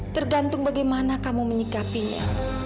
tergantung bagaimana kamu menyikapinya